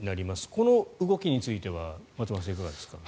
この動きについては松丸さん、いかがですか。